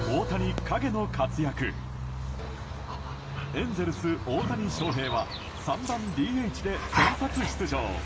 エンゼルス、大谷翔平は３番ＤＨで先発出場。